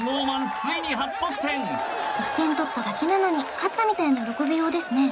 ついに初得点１点取っただけなのに勝ったみたいな喜びようですね